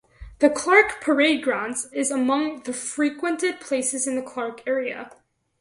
The Clark Parade Grounds is among the frequented places in the Clark area.